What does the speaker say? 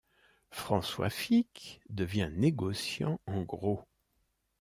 François Fick devient négociant en gros.